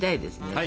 はい！